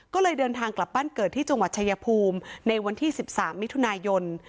ก็เลยเดินทางกลับบ้านเกิดที่จังหวัดชายภูมิในวันที่๑๓มิถุนายน